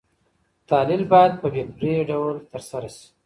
تحلیل باید په بې پرې ډول ترسره سي.